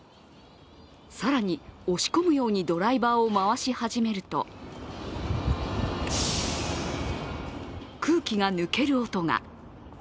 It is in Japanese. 更に押し込むようにドライバーを回し始めると空気が抜ける音が。